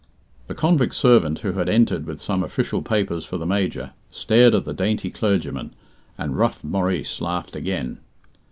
The convict servant, who had entered with some official papers for the Major, stared at the dainty clergyman, and rough Maurice laughed again.